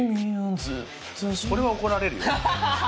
ずっとこれは怒られるよ